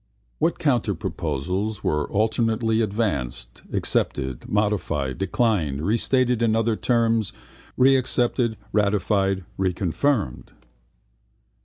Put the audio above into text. What counterproposals were alternately advanced, accepted, modified, declined, restated in other terms, reaccepted, ratified, reconfirmed?